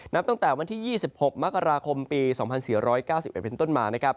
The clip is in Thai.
ตั้งแต่วันที่๒๖มกราคมปี๒๔๙๑เป็นต้นมานะครับ